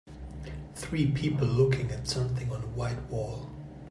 Three people looking at something on a white wall.